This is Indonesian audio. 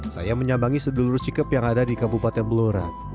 saya menyambangi sedulur sikap yang ada di kabupaten blora